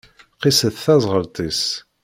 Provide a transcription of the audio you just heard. Qisset teẓɣelt-is.